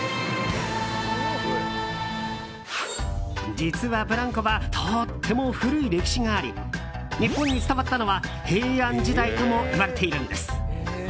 実はブランコとっても古い歴史があり日本に伝わったのは平安時代ともいわれているんです。